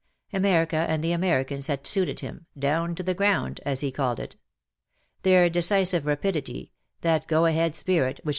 America and the Americans had suited him, " down to the ground," as he called it. Their decisive rapidity, that go a head spirit which " LOVE WILL HAVE HIS DAY."